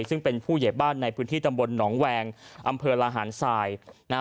ซึ่งเป็นผู้เหยียบบ้านในพื้นที่ตำบลหนองแวงอำเภอลาหารทรายนะฮะ